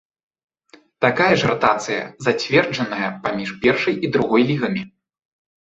Такая ж ратацыя зацверджаная паміж першай і другой лігамі.